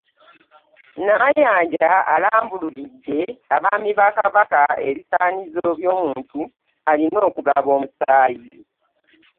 Namayanja alambululidde abaami ba Kabaka ebisaanyizo by'omuntu alina okugaba omusaayi